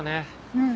うん。